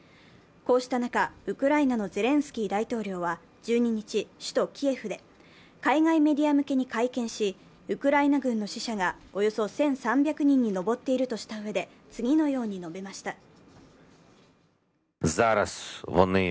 こうした中、ウクライナのゼレンスキー大統領は１２日、首都キエフで海外メディア向けに会見し、ウクライナ軍の死者がおよそ１３００人に上っているとしたうえで次のように述べました。